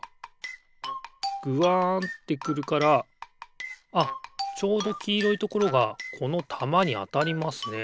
ぐわんってくるからあっちょうどきいろいところがこのたまにあたりますね。